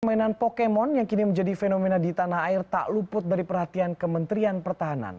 permainan pokemon yang kini menjadi fenomena di tanah air tak luput dari perhatian kementerian pertahanan